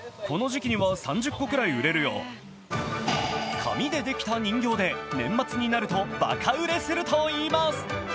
紙でできた人形で、年末になるとばか売れするといいます。